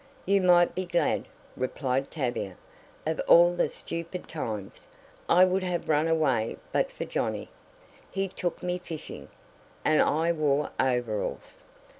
"You might be glad," replied Tavia. "Of all the stupid times I would have run away but for Johnnie. He took me fishing, and I wore overalls!